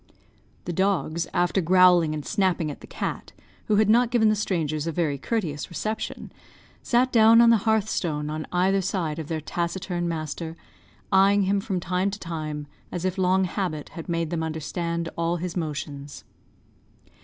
The dogs, after growling and snapping at the cat, who had not given the strangers a very courteous reception, sat down on the hearth stone on either side of their taciturn master, eyeing him from time to time, as if long habit had made them understand all his motions.